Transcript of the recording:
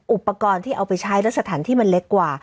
อุปกรณ์ที่เอาไปใช้และสถานที่มันเล็กกว่า